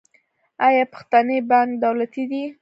آیا پښتني بانک دولتي دی؟